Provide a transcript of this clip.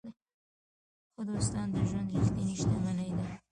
ښه دوستان د ژوند ریښتینې شتمني ده.